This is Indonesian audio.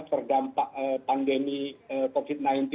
terdampak pandemi covid sembilan belas